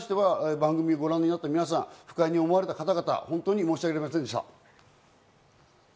番組をご覧になった皆さん、不快に思われた方々、本当に申し訳ありませんでした。